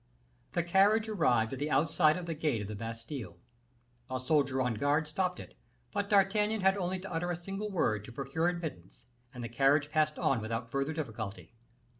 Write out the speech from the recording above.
The carriage arrived at the outside of the gate of the Bastile. A soldier on guard stopped it, but D'Artagnan had only to utter a single word to procure admittance, and the carriage passed on without further difficulty.